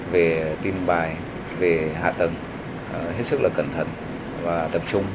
về tin bài về hạ tầng hết sức là cẩn thận và tập trung